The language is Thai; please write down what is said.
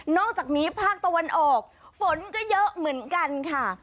อกจากนี้ภาคตะวันออกฝนก็เยอะเหมือนกันค่ะ